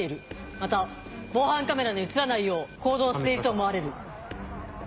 また防犯カメラに写らないよう行動していると思われる。